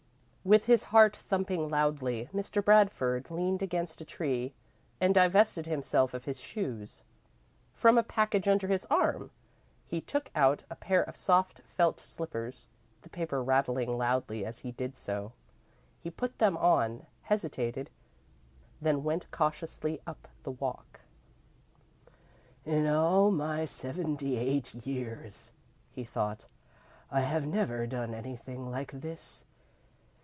With his heart thumping loudly, Mr. Bradford leaned against a tree and divested himself of his shoes. From a package under his arm, he took out a pair of soft felt slippers, the paper rattling loudly as he did so. He put them on, hesitated, then went cautiously up the walk. "In all my seventy eight years," he thought, "I have never done anything like this.